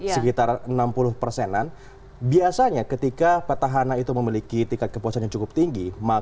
sekitar enam puluh persenan biasanya ketika petahana itu memiliki tingkat kepuasan yang cukup tinggi